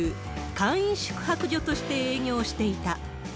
簡易宿泊所として営業していた。